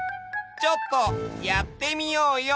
ちょっとやってみようよ！